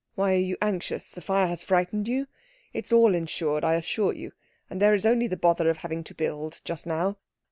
"Why are you anxious? The fire has frightened you? It is all insured, I assure you, and there is only the bother of having to build just now."